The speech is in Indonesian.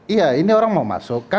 iya ini orang mau masuk